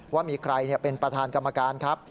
ว่ามีใครเป็นประธานกรรมการครับ